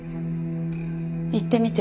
言ってみて。